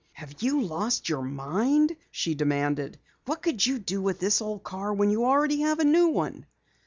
"Have you lost your mind?" she demanded. "What could you do with this old car when you already have a new one?"